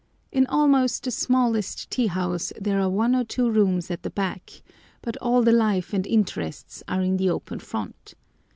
In almost the smallest tea house there are one or two rooms at the back, but all the life and interest are in the open front.